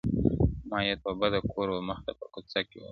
ما يې توبه د کور ومخته په کوڅه کي وکړه.